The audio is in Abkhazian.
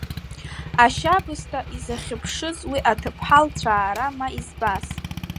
Ашьабысҭа изахьыԥшыз, уи аҭыԥҳа лцәаара ма избаз.